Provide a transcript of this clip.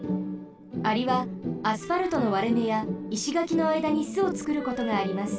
アリはアスファルトのわれめやいしがきのあいだにすをつくることがあります。